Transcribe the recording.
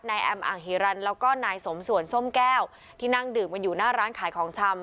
แอมอ่างฮิรันแล้วก็นายสมส่วนส้มแก้วที่นั่งดื่มกันอยู่หน้าร้านขายของชำ